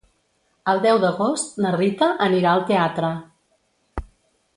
El deu d'agost na Rita anirà al teatre.